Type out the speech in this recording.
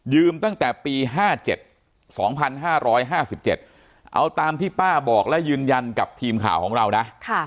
ตั้งแต่ปี๕๗๒๕๕๗เอาตามที่ป้าบอกและยืนยันกับทีมข่าวของเรานะ